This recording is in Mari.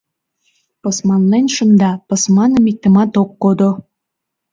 — Пысманлен шында, пысманым иктымат ок кодо!